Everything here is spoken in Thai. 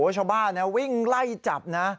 ชาวบ้านนะวิ่งเร่ยจับนะ